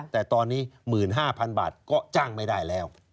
แต่ตอนนี้๑๕๐๐๐บาทก็จ้างไม่ได้แล้ว